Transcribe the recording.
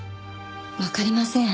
わかりません。